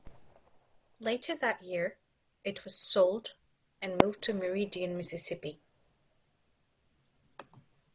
Later that year, it was sold and moved to Meridian, Mississippi.